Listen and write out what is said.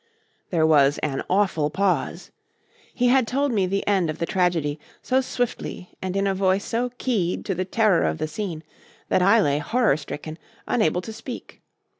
There was an awful pause. He had told me the end of the tragedy so swiftly and in a voice so keyed to the terror of the scene, that I lay horror stricken, unable to speak.